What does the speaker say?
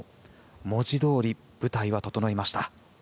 文字どおり舞台は整いました。